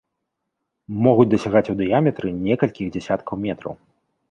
Могуць дасягаць у дыяметры некалькіх дзесяткаў метраў.